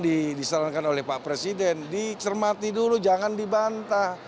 disarankan oleh pak presiden dicermati dulu jangan dibantah